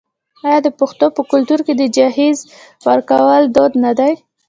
آیا د پښتنو په کلتور کې د جهیز ورکول دود نه دی؟